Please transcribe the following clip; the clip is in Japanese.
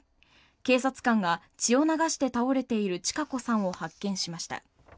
警察官が血を流して倒れている千賀子さんを発見しました。